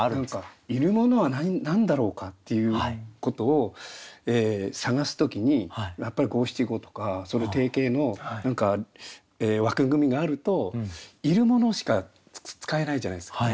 いるものは何だろうかっていうことを探す時にやっぱり五七五とか定型の何か枠組みがあるといるものしか使えないじゃないですか。